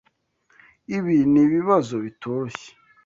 Ibi nibibazo bitoroshye.